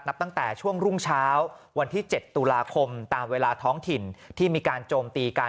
ตั้งแต่ช่วงรุ่งเช้าวันที่๗ตุลาคมตามเวลาท้องถิ่นที่มีการโจมตีกัน